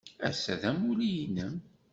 Ass-a, d amulli-nnem?